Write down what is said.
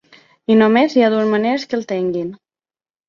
I només hi ha dues maneres que el tinguin.